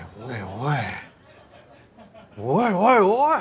おいおいおい！